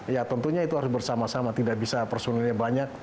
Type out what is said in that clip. ya tentunya itu harus bersama sama tidak bisa personilnya banyak